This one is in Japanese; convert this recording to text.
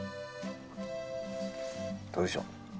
どうでしょう？